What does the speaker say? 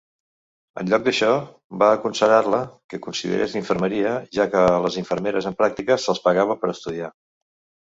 En lloc d'això, va aconsellar-la que considerés infermeria, ja que a les infermeres en pràctiques se'ls pagava per estudiar.